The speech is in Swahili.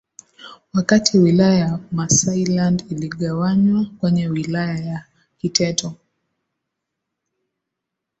wakati Wilaya ya Maasailand iligawanywa kwenye Wilaya ya Kiteto